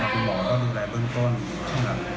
คุณหมอก็ดูแลเบื้องต้นครับ